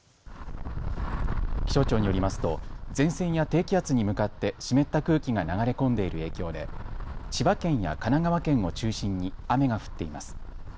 気象庁によりますと前線や低気圧に向かって湿った空気が流れ込んでいる影響で千葉県や神奈川県を中心に雨が降っています。